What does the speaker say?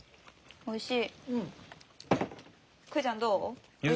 おいしい？